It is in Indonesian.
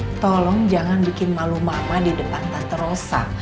nino tolong jangan bikin malu mama di depan tanpa terosak